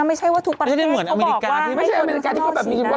ไม่ใช่ว่าทุกประเทศเขาบอกว่า